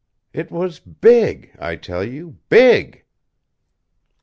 It was big, I tell you. Big!"